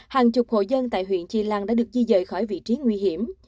hàng chục hộ dân tại huyện chi lăng đã được di dời khỏi vị trí nguy hiểm